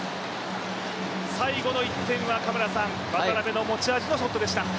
最後の１点は渡辺の持ち味のショットでした。